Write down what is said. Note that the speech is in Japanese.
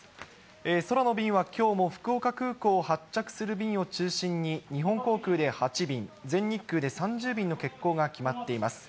空の便はきょうも福岡空港を発着する便を中心に、日本航空で８便、全日空で３０便の欠航が決まっています。